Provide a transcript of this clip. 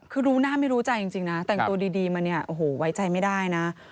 คือรู้หน้าไม่รู้ใจจริงนะแต่งตัวดีมาเนี่ยโอ้โหไว้ใจไม่ได้นะ